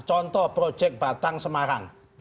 contoh projek batang semarang